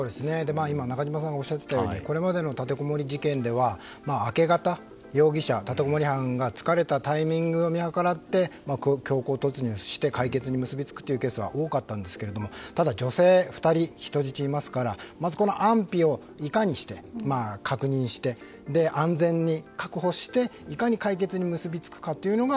今、中島さんがおっしゃっていたようにこれまでの立てこもり事件では明け方、容疑者立てこもり犯が疲れたタイミングを見計らって強行突入して解決に結びつくケースが多かったんですがただ女性２人の人質がいますから安否をいかにして確認して安全に確保していかに解決に結びつくかが